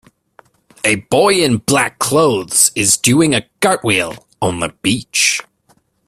A boy in black clothes is doing a cartwheel on the beach